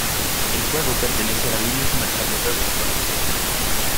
El juego pertenece a la línea comercial de juegos Touch!